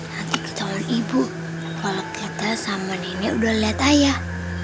nanti ketahuan ibu kalau kata sama nenek udah liat ayah